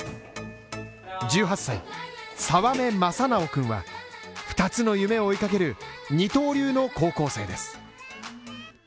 １８歳、沢目真直君は二つの夢を追いかける、二刀流の高校生です。